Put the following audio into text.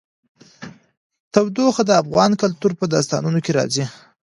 تودوخه د افغان کلتور په داستانونو کې راځي.